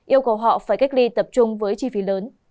yêu cầu họ phải cách ly tập trung với chi phí lớn